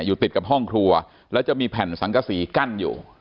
อยู่ติดกับห้องครัวแล้วจะมีแผ่นสังกษีกั้นอยู่